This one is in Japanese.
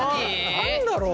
何だろう？